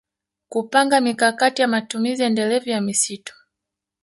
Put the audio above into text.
Kupanga mikakati ya matumizi endelevu ya msitu